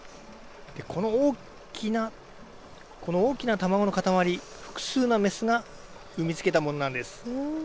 この大きな卵の塊複数の雌が産みつけたものなんです。